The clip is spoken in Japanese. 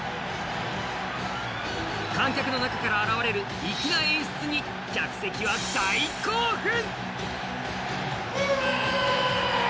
観客の中から現れる粋な演出に観客は大興奮。